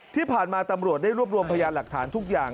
ที่ผ่านมาตำรวจได้รวบรวมพยานหลักฐานทุกอย่าง